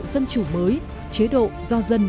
dân chủ mới chế độ do dân